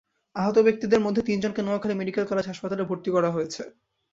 আহত ব্যক্তিদের মধ্যে তিনজনকে নোয়াখালী মেডিকেল কলেজ হাসপাতালে ভর্তি করা হয়েছে।